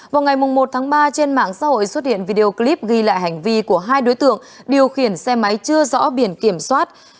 vào ngày một tháng ba trên mạng xã hội xuất hiện video clip ghi lại hành vi của hai đối tượng điều khiển xe máy chưa rõ biển kiểm soát